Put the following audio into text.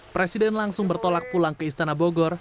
presiden langsung bertolak pulang ke istana bogor